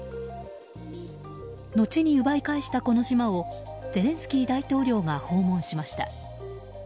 後に奪い返したこの島をゼレンスキー大統領が訪問しました。